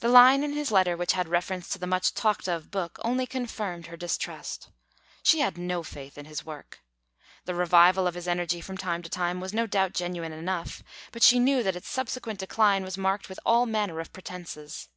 The line in his letter which had reference to the much talked of book only confirmed her distrust. She had no faith in his work. The revival of his energy from time to time was no doubt genuine enough, but she knew that its subsequent decline was marked with all manner of pretences.